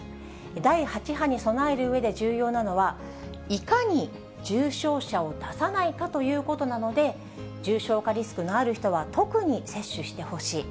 第８波に備えるうえで重要なのは、いかに重症者を出さないかということなので、重症化リスクのある人は特に接種してほしい。